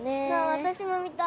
私も見たい。